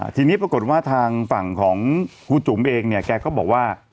ทีนี้ปรากฏว่าทางฝั่งของครูจุ๋มเองเนี่ยแกก็บอกว่า